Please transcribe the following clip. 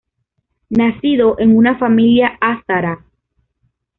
Nacido en una familia Hazara.